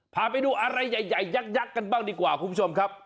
พาไปดูอะไรใหญ่ยักษ์กันบ้างดีกว่าคุณผู้ชมครับ